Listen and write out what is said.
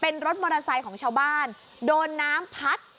มอเตอร์ไซส์ของชาวบ้านโดนน้ำพัด